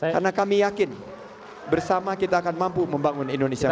karena kami yakin bersama kita akan mampu membangun indonesia